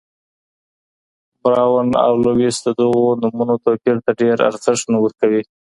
براون او لويس د دې نومونو توپير ته ډېر ارزښت نه ورکوي.